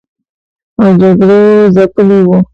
او جګړو ځپلي و